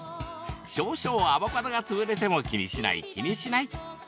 少々アボカドが潰れても気にしない気にしない。